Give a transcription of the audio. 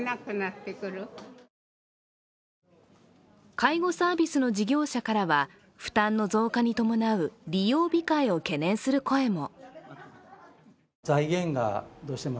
介護サービスの事業者からは、負担の増加に伴う利用控えを懸念する声も。